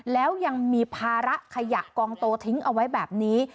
แล้วยังมีภาระขยะกองโตทิ้งเอาไว้แบบนี้